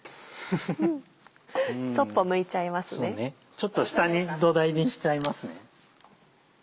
ちょっと下に土台にしちゃいますね。